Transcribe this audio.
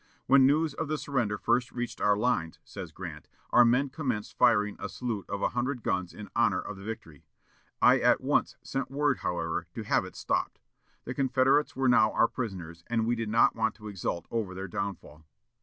"When news of the surrender first reached our lines," says Grant, "our men commenced firing a salute of a hundred guns in honor of the victory. I at once sent word, however, to have it stopped. The Confederates were now our prisoners, and we did not want to exult over their downfall."